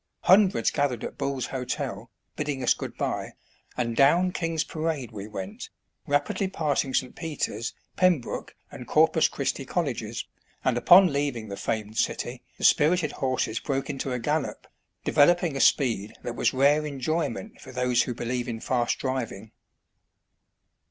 Hundreds gathered at Bull's Hotel, bidding us good bye, and down King's Parade we went, rapidly passing St. Peter's, Pembroke, and Corpus Christi Colleges, and upon leaving the famed city, the spirited horses broke into a gallop, develop ing a speed that was rare enjoyment for those who believe in fast driving.